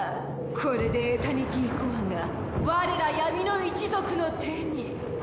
これでエタニティコアが我ら闇の一族の手に。